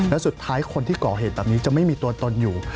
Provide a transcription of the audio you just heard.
และสุดท้ายคนที่ก่อเหตุแบบนี้จะไม่มีตัวตนอยู่